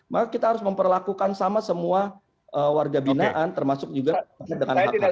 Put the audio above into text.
maka kita harus memperlakukan sama semua warga binaan termasuk juga pendekatan hak hak